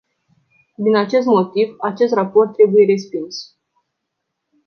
Din acest motiv, acest raport trebuie respins.